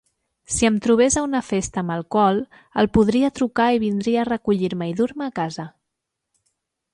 Si em trobés a una festa amb alcohol, el podria trucar i vindria a recollir-me i dur-me a casa.